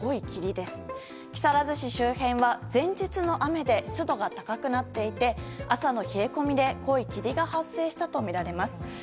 木更津市周辺は前日の雨で湿度が高くなっていて朝の冷え込みで濃い霧が発生したとみられます。